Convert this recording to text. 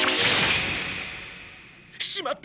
しまった！